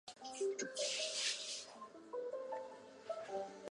太史第遗址的历史年代为清代。